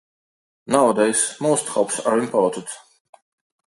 Nowadays, most hops are imported.